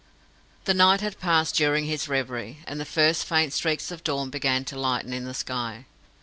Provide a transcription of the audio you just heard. The night had passed during his reverie, and the first faint streaks of dawn began to lighten in the sky.